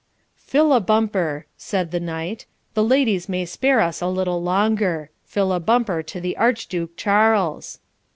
'FILL a bumper,' said the Knight; 'the ladies may spare us a little longer. Fill a bumper to the Archduke Charles.'